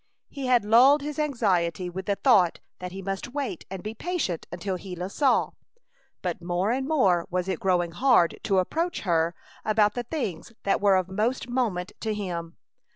He had lulled his anxiety with the thought that he must wait and be patient until Gila saw. But more and more was it growing hard to approach her about the things that were of most moment to him.